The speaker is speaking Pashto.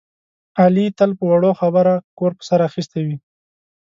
علي تل په وړه خبره کور په سر اخیستی وي.